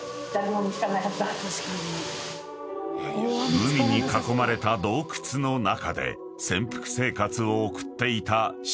［海に囲まれた洞窟の中で潜伏生活を送っていた信者たち］